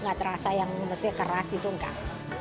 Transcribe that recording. enggak terasa yang maksudnya keras itu enggak